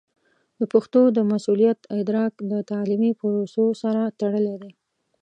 د پښتو د مسوولیت ادراک د تعلیمي پروسو سره تړلی دی.